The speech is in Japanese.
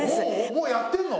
もうやってんの？